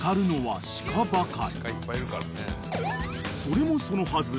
［それもそのはず］